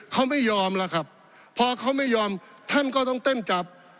เขาไม่ยอมแล้วครับพอเขาไม่ยอมท่านก็ต้องเต้นจับ